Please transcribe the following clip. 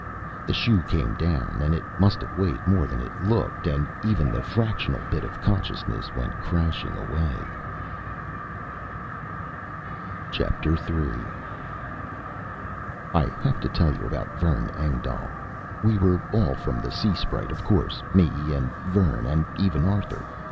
The shoe came down, and it must have weighed more than it looked, and even the fractional bit of consciousness went crashing away. III I have to tell you about Vern Engdahl. We were all from the Sea Sprite, of course me and Vern and even Arthur.